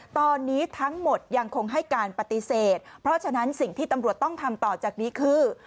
ตอนนี้ทั้งหมดยังคงให้การปฏิเสธเพราะฉะนั้นสิ่งที่ตำรวจต้องทำต่อจากนี้คือ